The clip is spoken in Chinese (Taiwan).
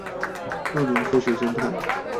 少年科學偵探